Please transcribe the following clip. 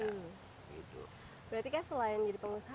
berarti kan selain jadi pengusaha